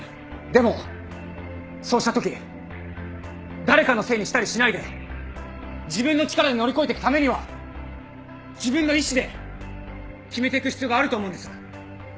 でもそうしたとき誰かのせいにしたりしないで自分の力で乗り越えてくためには自分の意思で決めてく必要があると思うんです。